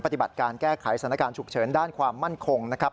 ปฏิบัติการแก้ไขสถานการณ์ฉุกเฉินด้านความมั่นคงนะครับ